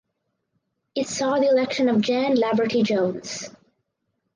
It saw the election of Jan Laverty Jones.